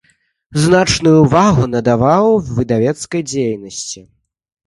Значную ўвагу надаваў выдавецкай дзейнасці.